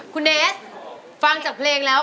คุณเนสฟังจากเพลงแล้ว